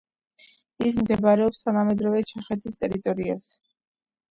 ის მდებარეობს თანამედროვე ჩეხეთის ტერიტორიაზე.